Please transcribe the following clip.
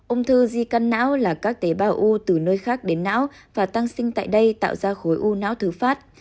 ung thư di căn não là các tế bào u từ nơi khác đến não và tăng sinh tại đây tạo ra khối u não thứ phát